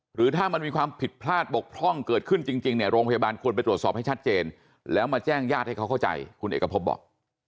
หรือถ้ามันมีความผิดพลาดบกพร่องเกิดขึ้นจริงเนี่ยโรงพยาบาลควรไปตรวจสอบให้ชัดเจนแล้วมาแจ้งญาติให้เขาเข้าใจคุณเอกพบบอก